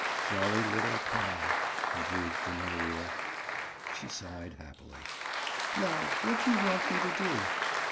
"Jolly little pal!" he breathed in her ear. She sighed happily. "Now what do you want me to do?"